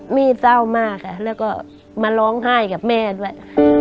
เศร้ามากค่ะแล้วก็มาร้องไห้กับแม่ด้วย